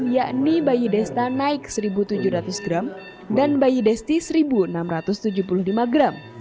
yakni bayi desta naik satu tujuh ratus gram dan bayi desti satu enam ratus tujuh puluh lima gram